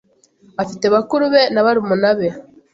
afite bakuru be na barumuna be